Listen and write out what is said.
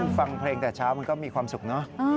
ฟังเพลงแต่เช้ามันก็มีความสุขเนอะ